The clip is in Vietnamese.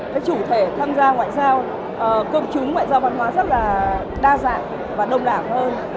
cái chủ thể tham gia ngoại giao cơm trúng ngoại giao văn hóa rất là đa dạng và đồng đảng hơn